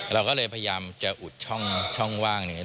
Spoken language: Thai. เราก็เลยพยายามจะอุดช่องว่าง